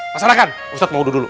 masalahkan ustadz mau duduk dulu